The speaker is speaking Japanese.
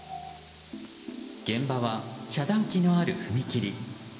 現場は、遮断機のある踏切。